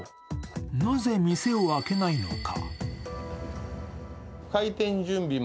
なぜ店を開けないのか。